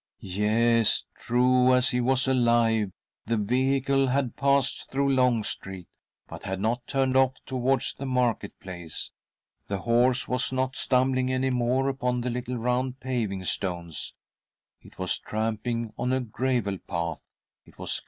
i Yes, true as he was alive, the vehicle had passed through Long Street, but had not turned off towards the market place ; the horse was not stumbling any more upon the little round paving stones— it was tramping on a gravel path — it was &*